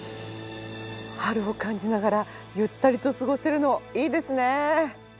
春を感じながらゆったりと過ごせるのいいですね！